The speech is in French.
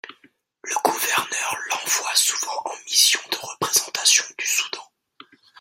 Le gouverneur l’envoie souvent en mission de représentation du Soudan.